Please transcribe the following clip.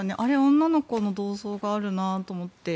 女の子の銅像があるなと思って。